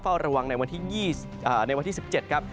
เฝ้าระวังในวันที่๑๗ครับ